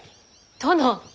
殿！